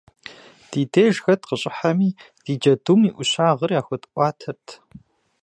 Ди деж хэт къыщӏыхьэми, ди джэдум и ӏущагъыр яхуэтӏуатэрт.